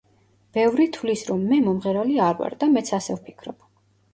ბევრი თვლის, რომ მე მომღერალი არ ვარ და მეც ასე ვფიქრობ.